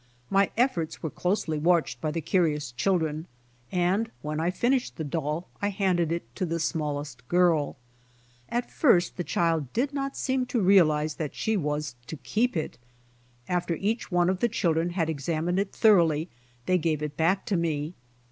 My efforts were closely watched by the curious children, and when I finished the doll I handed it to the smallest girl. At first the child did not seem to realize that she was to keep it. After each one of the children had examined it thoroughly they 98 BY ox TEAM TO CALIFORNIA gave it back to me.